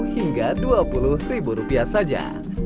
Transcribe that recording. tiga hingga dua puluh rupiah saja